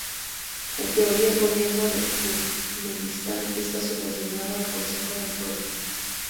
En teoría, el Gobierno de Turkmenistán está subordinado al Consejo del Pueblo.